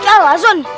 baikal lah zun